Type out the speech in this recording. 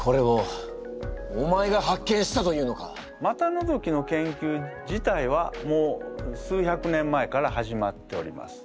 股のぞきの研究自体はもう数百年前から始まっております。